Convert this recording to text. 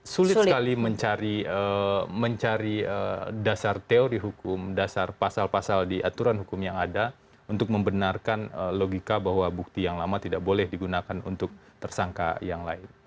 sulit sekali mencari dasar teori hukum dasar pasal pasal di aturan hukum yang ada untuk membenarkan logika bahwa bukti yang lama tidak boleh digunakan untuk tersangka yang lain